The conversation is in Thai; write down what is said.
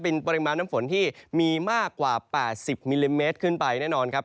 เป็นปริมาณน้ำฝนที่มีมากกว่า๘๐มิลลิเมตรขึ้นไปแน่นอนครับ